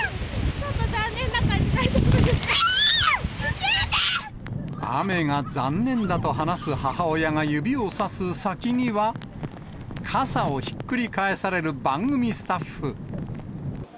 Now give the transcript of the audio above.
ちょっと残念な感じになっち雨が残念だと話す母親が指をさす先には、傘をひっくり返される番組スタッフ。